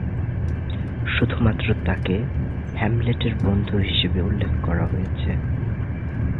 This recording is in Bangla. শুধুমাত্র তাকে "হ্যামলেটের বন্ধু" হিসাবে উল্লেখ করা হয়েছে।